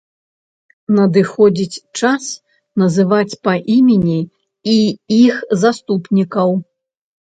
Надыходзіць час называць па імені і іх заступнікаў.